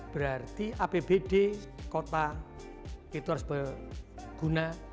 berarti apbd kota itu harus berguna